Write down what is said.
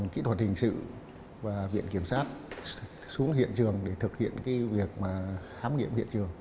kỹ thuật hình sự và viện kiểm sát xuống hiện trường để thực hiện việc khám nghiệm hiện trường